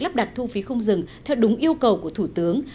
lắp đặt thu phí không dừng theo đúng yêu cầu của thủ tướng